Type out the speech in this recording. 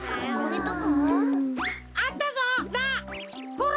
ほら！